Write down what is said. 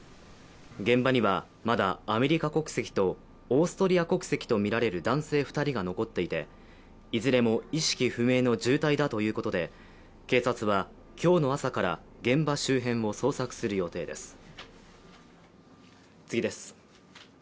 現場にはまだアメリカ国籍とオーストリア国籍とみられる男性２人が残っていていずれも意識不明の重体だということで警察は今日の朝から現場周辺を捜索する予定です。